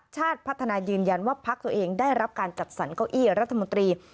ชาติพัฒนายืนยันว่าพักตัวเองได้รับการจัดสรรเก้าอี้รัฐมนตรี